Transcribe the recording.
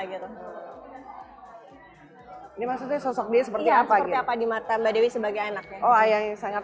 hai ini maksudnya sosoknya seperti apa ya apa di mata mbak dewi sebagai anaknya oh ayahnya sangat